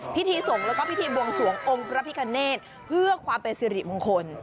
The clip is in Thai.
พิธีสงฆ์แล้วก็พิธีบวงสวงองค์พระพิคเนธเพื่อความเป็นสิริมงคล